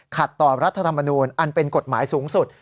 ขัดต่อรัฐธรรมนูญอันเป็นกฎหมายสูงสุด